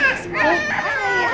mau sama omad